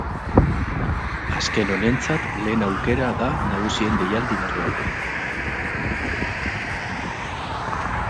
Azken honentzat lehen aukera da nagusien deialdi batean.